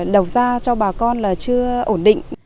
đầu ra cho bà con là chưa ổn định